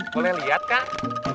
boleh lihat kang